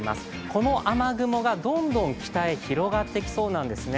この雨雲がどんどん北へ広がってきそうなんですね。